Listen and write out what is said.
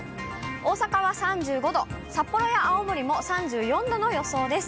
大阪は３５度、札幌や青森も３４度の予想です。